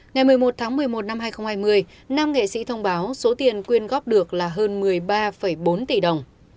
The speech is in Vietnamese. ngày một mươi một tháng một mươi một năm hai nghìn hai mươi nam nghệ sĩ thông báo số tiền quyên góp được là hơn một mươi ba bốn tỷ đồng